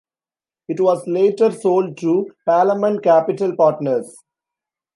It was later sold to Palamon Capital Partners.